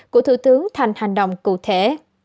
của thủ tướng thành hành động cụ thể